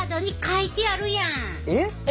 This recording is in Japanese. えっ！？